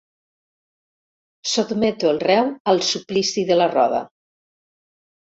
Sotmeto el reu al suplici de la roda.